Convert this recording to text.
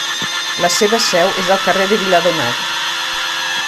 La seva seu és al carrer de Viladomat.